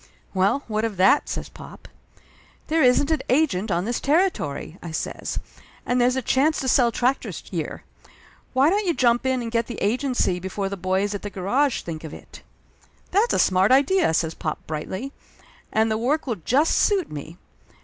"Well, what of that?" says pop. "There isn't an agent on this territory," I says. "And there's a chance to sell tractors here. Why don't you jump in and get the agency before the boys at the garage think of it?" "That's a smart idea!" says pop brightly. "And the work will just suit me.